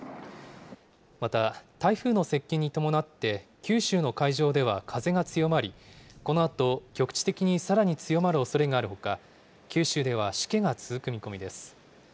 また、台風の接近に伴って、九州の海上では風が強まり、このあと局地的にさらに強まるおそれがあるほか、九州ではしけが続く見込みです。